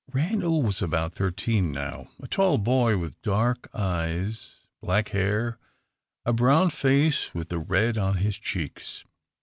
Randal was about thirteen now, a tall boy, with dark eyes, black hair, a brown face with the red on his cheeks.